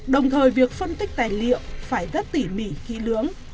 đồng thời việc phân tích tài liệu phải rất tỉ mỉ kỹ lưỡng